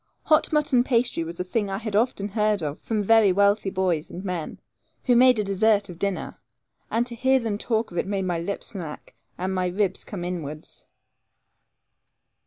Hot mutton pasty was a thing I had often heard of from very wealthy boys and men, who made a dessert of dinner; and to hear them talk of it made my lips smack, and my ribs come inwards.